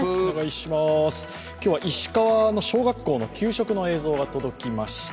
今日は石川の小学校の給食の映像が届きました。